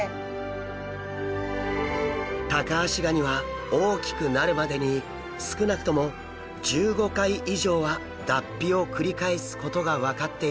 タカアシガニは大きくなるまでに少なくとも１５回以上は脱皮を繰り返すことが分かっています。